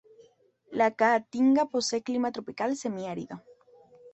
La caatinga posee clima Tropical semiárido.